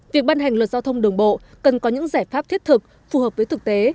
việc ban hành luật giao thông đường bộ cần có những giải pháp thiết thực phù hợp với thực tế